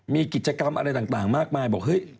มีกิจกรรมอะไรต่างมากมายบอกเฮ้ย